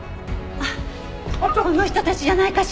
あっこの人たちじゃないかしら？